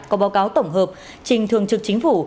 có báo cáo tổng hợp trình thường trực chính phủ